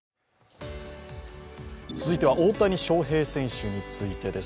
続いては大谷翔平選手についてです。